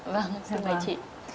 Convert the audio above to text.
vâng xin mời chị